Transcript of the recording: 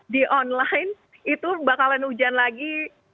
di online itu bakalan hujan lagi